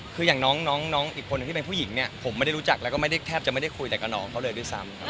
คืออย่างน้องอีกคนหนึ่งที่เป็นผู้หญิงเนี่ยผมไม่ได้รู้จักแล้วก็ไม่ได้แทบจะไม่ได้คุยแต่กับน้องเขาเลยด้วยซ้ำ